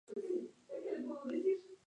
La Unión de Formosa fue su siguiente club.